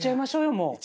もう。